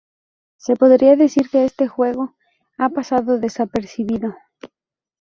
Se podría decir que este juego ha pasado desapercibido.